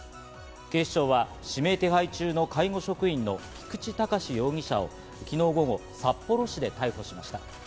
警視庁は指名手配中の介護職員の菊池隆容疑者を昨日午後、札幌市で逮捕しました。